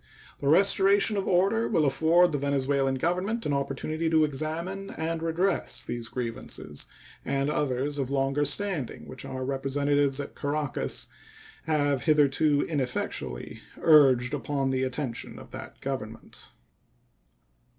The restoration of order will afford the Venezuelan Government an opportunity to examine and redress these grievances and others of longer standing which our representatives at Caracas have hitherto ineffectually urged upon the attention of that Government.